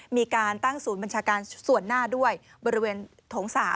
มีการตั้งศูนย์บัญชาการส่วนหน้าด้วยบริเวณโถง๓